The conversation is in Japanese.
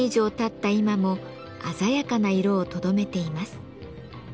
今も鮮やかな色をとどめています。